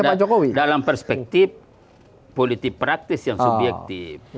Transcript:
kalau selalu kita lihat dalam perspektif politik praktis yang subjektif